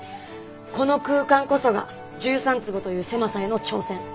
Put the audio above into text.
この空間こそが１３坪という狭さへの挑戦。